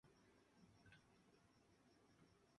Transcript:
Inició su ministerio sacerdotal en la Diócesis de Niza.